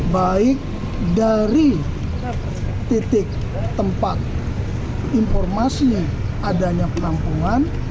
baik dari titik tempat informasi adanya penampungan